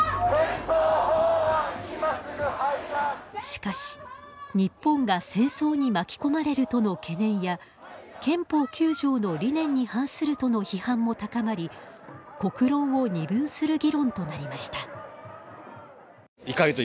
しかし、日本が戦争に巻き込まれるとの懸念や憲法９条の理念に反するとの批判も高まり国論を二分する議論となりました。